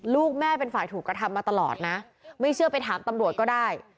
ลูกแม่เป็นฝ่ายถูกกระทำมาตลอดนะไม่เชื่อไปถามตำรวจก็ได้